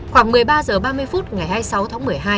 khoảng một mươi ba h ba mươi phút ngày hai mươi sáu tháng một mươi hai